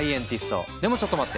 でもちょっと待って！